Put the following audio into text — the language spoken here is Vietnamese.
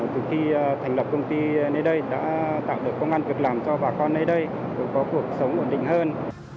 từ khi thành lập công ty nơi đây đã tạo được công an việc làm cho bà con nơi đây có cuộc sống ổn định hơn